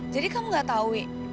jadi kamu gak tau wih